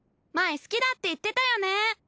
前好きだって言ってたよね。